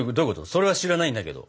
それは知らないんだけど。